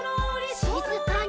しずかに。